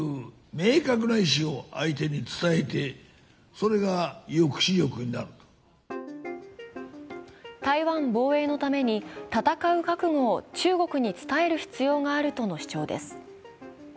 これに先立つ講演では台湾防衛のために、戦う覚悟を中国に伝える必要があるとの主張です。